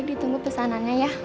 baik ditunggu pesanannya ya